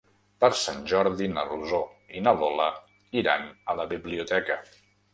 Per Sant Jordi na Rosó i na Lola iran a la biblioteca.